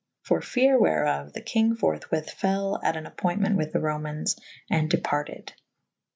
For fere whereof the kynge forthwith fel at a pointement with the Romaines / and departed.